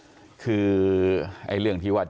แต่ว่าวินนิสัยดุเสียงดังอะไรเป็นเรื่องปกติอยู่แล้วครับ